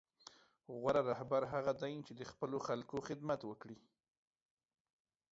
غوره رهبر هغه دی چې د خپلو خلکو خدمت وکړي.